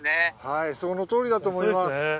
はいそのとおりだと思います。